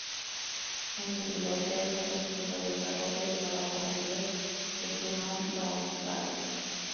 En su biografía de Carlos V desarrolla el trabajo anterior de Hermann Baumgarten.